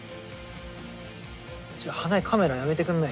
ちょっ花井カメラやめてくんない。